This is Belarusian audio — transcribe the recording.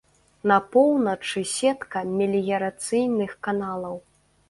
На поўначы сетка меліярацыйных каналаў.